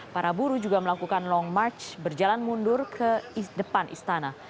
para buruh juga melakukan long march berjalan mundur ke depan istana